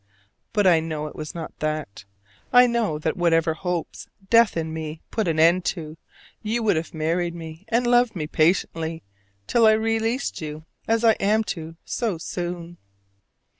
But I know it was not that. I know that whatever hopes death in me put an end to, you would have married me and loved me patiently till I released you, as I am to so soon.